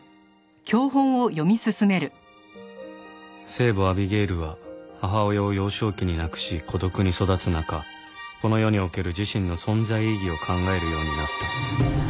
「聖母アビゲイルは母親を幼少期になくし孤独に育つ中この世における自身の存在意義を考えるようになった」